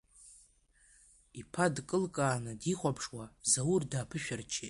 Иԥа дкылкааны дихәаԥшуа, Заур дааԥышәырччеит.